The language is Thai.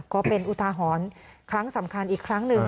ก็เป็นอุทาหรณ์ครั้งสำคัญอีกครั้งหนึ่ง